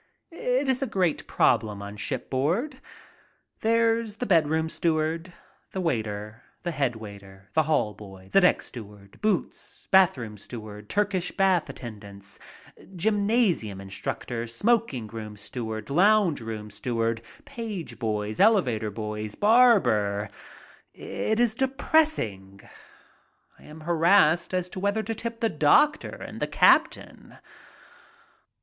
It is a great problem on shipboard. There's the bedroom steward, the waiter, the head waiter, the hallboy, the deck steward, boots, bathroom steward, Turkish bath attendants, gymnasium instructor, smoking room steward, lounge room steward, page boys, elevator boys, barber. It is depressing. I am harassed as to whether to tip the doctor and the captain.